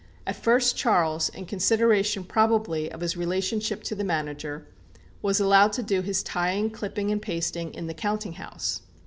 At first Charles, in consideration probably of his relationship to the manager, was allowed to do his tying, clipping, and pasting in the counting house.